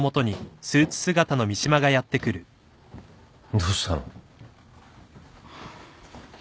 ・どうしたの？